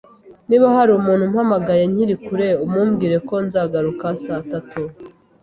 Niba hari umuntu umpamagaye nkiri kure, umubwire ko nzagaruka saa tanu.